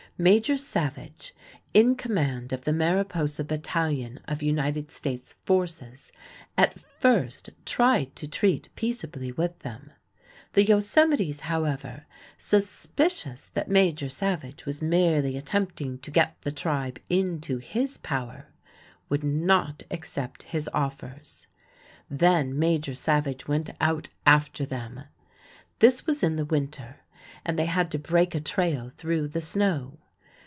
Major Savage, in command of the Mariposa Battalion of United States forces, at first tried to treat peaceably with them. The Yosemites, however, suspicious that Major Savage was merely attempting to get the tribe into his power, would not accept his offers. Then Major Savage went out after them. This was in the winter, and they had to break a trail through the snow.